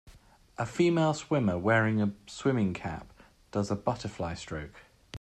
A female swimmer wearing a swimming cap does the butterfly stroke.